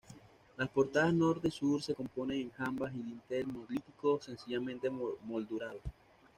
Las portadas Norte y Sur se componen de jambas y dintel monolíticos sencillamente moldurados.